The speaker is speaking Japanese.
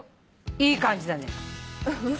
いい感じだね。